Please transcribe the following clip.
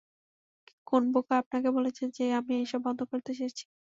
কোন বোকা আপনাকে বলেছে যে আমি এইসব বন্ধ করতে চেয়েছি?